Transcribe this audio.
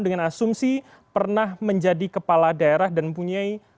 dengan asumsi pernah menjadi kepala daerah dan mempunyai